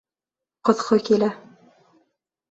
Ҡоҫҡо килә!